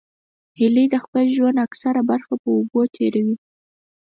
هیلۍ د خپل ژوند اکثره برخه په اوبو تېروي